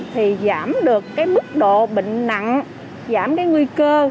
thì giảm được cái mức độ bệnh nặng giảm cái nguy cơ